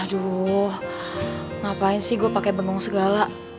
aduh ngapain sih gue pakai benung segala